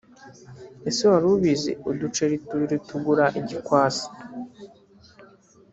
ese wari ubizi uduceri tubiri tugura igikwasi